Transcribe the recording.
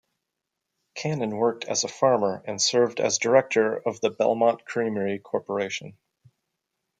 Cannon worked as a farmer and served as director of the Belmont Creamery Corporation.